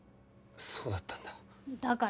そうだったんだ。